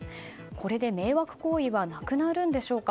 これで迷惑行為はなくなるんでしょうか。